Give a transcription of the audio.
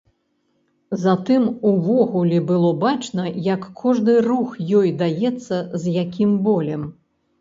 Затым увогуле было бачна, як кожны рух ёй даецца з якім болем.